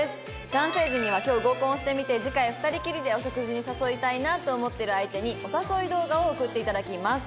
男性陣には今日合コンしてみて次回２人きりでお食事に誘いたいなと思っている相手にお誘い動画を送って頂きます。